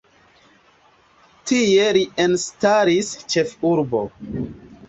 Tie li instalis ĉefurbon.